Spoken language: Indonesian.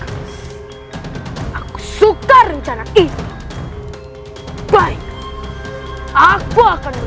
kamu pikir kamu bisa mengalahkan ku maesha